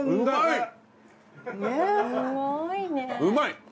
うまい！